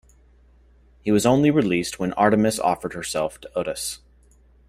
He was only released when Artemis offered herself to Otus.